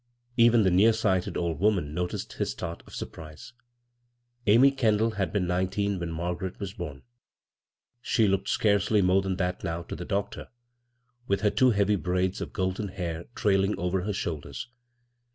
Ev«b the near sighted old woman noticed his start of surprise. Amy Kendall had been nineteen when Margaret was bom ; she looked scarcely more than that now to the doctor, with her two heavy braids of golden hair trailing over her shoulders.